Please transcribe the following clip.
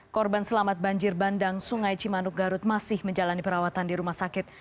korban selamat banjir bandang sungai cimanuk garut masih menjalani perawatan di rumah sakit